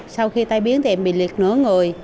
sau khi tai biến thì em bị liệt nửa người